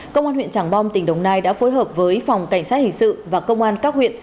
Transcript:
công an huyện tràng bom tỉnh đồng nai đã phối hợp với phòng cảnh sát hình sự và công an các huyện